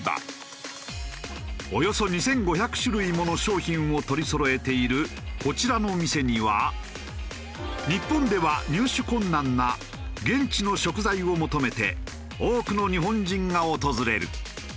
およそ２５００種類もの商品を取りそろえているこちらの店には日本では入手困難な現地の食材を求めて多くの日本人が訪れる。